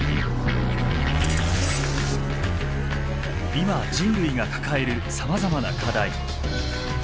今人類が抱えるさまざまな課題。